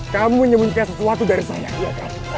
kamu nyembunyikan sesuatu dari saya iya kak